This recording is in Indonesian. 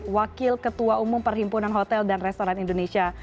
wakil ketua umum perhimpunan hotel dan restoran indonesia